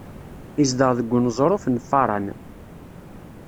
Izdeɣ deg uneẓruf n Faran.